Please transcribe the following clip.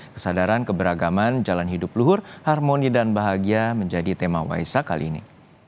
kesadaran keberagaman jalan hidup luhur harmoni dan bahagia menjadi tema waisak kali ini